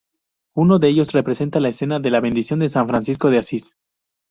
Uno de ellos representa la escena de la bendición de San Francisco de Asís.